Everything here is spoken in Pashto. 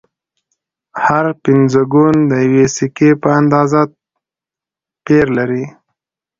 هر پنځه ګون د یوې سکې په اندازه پیر لري